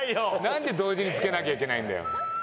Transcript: なんで同時に着けなきゃいけないんだよ。